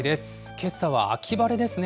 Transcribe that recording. けさは秋晴れですね。